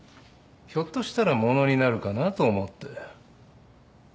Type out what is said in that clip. ひょっとしたらものになるかなと思って。